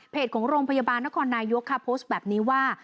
ของโรงพยาบาลนครนายกค่ะโพสต์แบบนี้ว่า